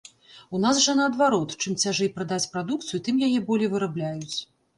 У нас жа наадварот, чым цяжэй прадаць прадукцыю, тым яе болей вырабляюць.